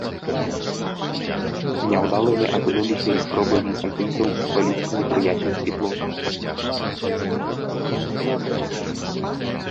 Няўдалымі апынуліся і спробы візантыйцаў спаліць непрыяцельскі флот.